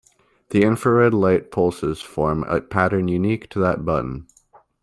The infrared light pulses form a pattern unique to that button.